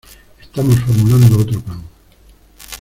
¡ Estamos formulando otro plan!